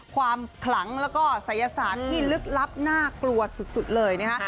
ความขลังแล้วก็ศัยศาสตร์ที่ลึกลับน่ากลัวสุดเลยนะคะ